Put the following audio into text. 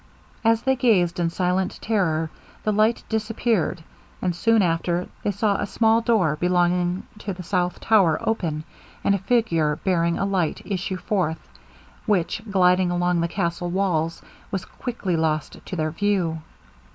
As they gazed in silent terror, the light disappeared, and soon after, they saw a small door belonging to the south tower open, and a figure bearing a light issue forth, which gliding along the castle walls, was quickly lost to their view.